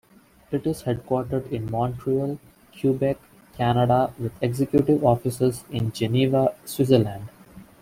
It is headquartered in Montreal, Quebec, Canada with Executive Offices in Geneva, Switzerland.